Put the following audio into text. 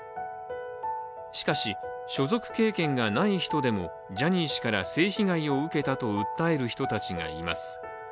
しかし、所属経験がない人でもジャニー氏から性被害を受けたと訴える人たちがいます。